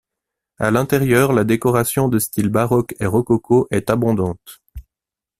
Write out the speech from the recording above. À l'intérieur, la décoration de styles baroque et rococo est abondante.